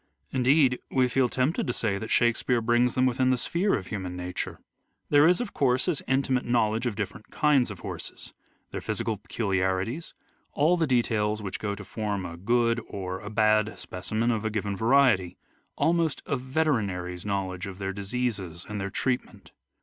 Indeed we feel tempted to say that Shakespeare brings them within the sphere of human nature. There is, of course, his intimate knowledge of different kinds of horses, their physical peculiarities, all the details which go to form a good or a bad specimen of a given variety, almost a veterinary's knowledge of their diseases and their treatment.